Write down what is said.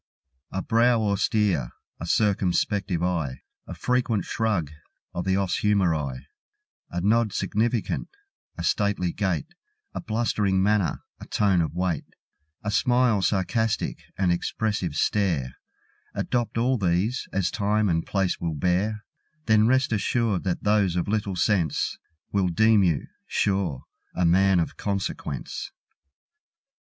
A BROW austere, a circumspective eye, A frequent shrug of the os humeri, A nod significant, a stately gait, A blustering manner, and a tone of weight, A smile sarcastic, an expressive stare, Adopt all these, as time and place will bear: Then rest assured that those of little sense Will deem you, sure, a man of consequence.